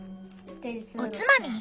おつまみ？